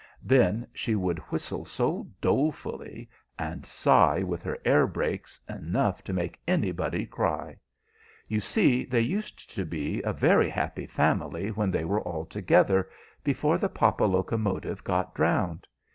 Then she would whistle so dolefully, and sigh with her air brakes enough to make anybody cry. You see they used to be a very happy family when they were all together, before the papa locomotive got drowned.